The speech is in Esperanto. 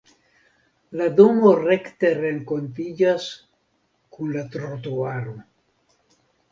La domo rekte renkontiĝas kun la trotuaro.